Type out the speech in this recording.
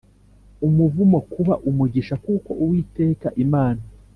umuvumo kuba umugisha kuko Uwiteka Imana